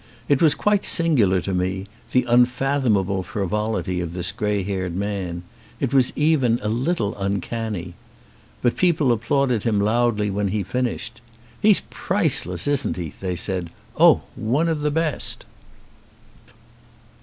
It was quite singular to me, the unfathomable frivolity of this grey haired man; it was even a little uncanny. But people applauded him loudly when he finished. "He's priceless, isn't he?" they said. "Oh, one of the best."